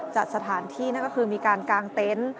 จัดสถานที่นั่นก็คือมีการกางเต็นต์